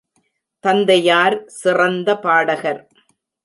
தந்தையார் சிறந்த பாடகர்.